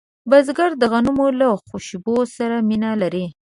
بزګر د غنمو له خوشبو سره مینه لري